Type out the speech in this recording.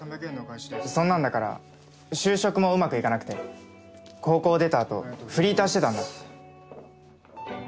そんなんだから就職もうまくいかなくて高校出たあとフリーターしてたんだ。